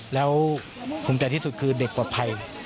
แล้วภูมิใจที่สุดคือเด็กปลอดภัย